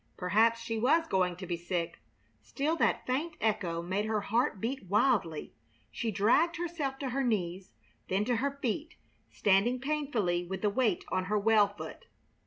Perhaps she was going to be sick. Still that faint echo made her heart beat wildly. She dragged herself to her knees, then to her feet, standing painfully with the weight on her well foot.